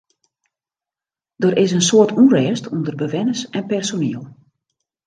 Der is in soad ûnrêst ûnder bewenners en personiel.